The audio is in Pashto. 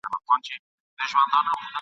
نور به نو ملنګ جهاني څه درکړي !.